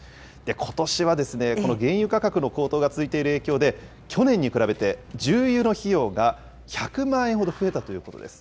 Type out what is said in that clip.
ことしはこの原油価格の高騰が続いている影響で、去年に比べて重油の費用が１００万円ほど増えたということです。